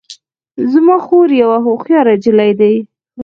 زما خور یوه هوښیاره نجلۍ ده